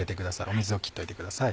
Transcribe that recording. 水を切っといてください。